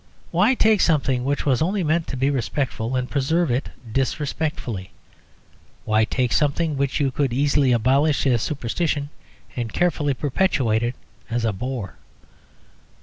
Why take something which was only meant to be respectful and preserve it disrespectfully? Why take something which you could easily abolish as a superstition and carefully perpetuate it as a bore?